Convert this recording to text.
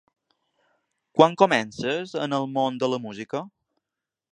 Quan comences en el món de la música?